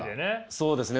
そうですね。